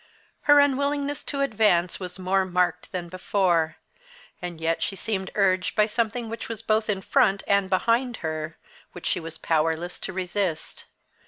Her unwillingness to advance was more marked than before, and yet she seemed urged by something which was both in front and behind her, which she was powerless to resist.